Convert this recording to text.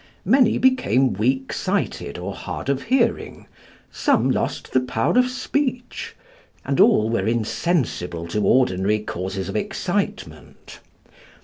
Many became weak sighted or hard of hearing, some lost the power of speech, and all were insensible to ordinary causes of excitement.